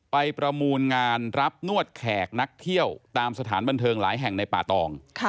ประมูลงานรับนวดแขกนักเที่ยวตามสถานบันเทิงหลายแห่งในป่าตอง